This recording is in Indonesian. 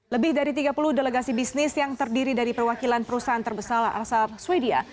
lebih dari tiga puluh delegasi bisnis yang terdiri dari perwakilan perusahaan terbesar asal sweden